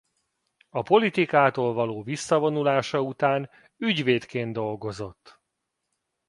A politikától való visszavonulása után ügyvédként dolgozott.